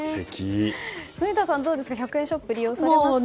住田さん、１００円ショップ利用されますか？